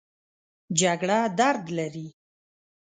جګړه درد لري